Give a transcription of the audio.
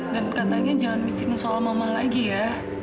dan katanya jangan mikirin soal mama lagi ya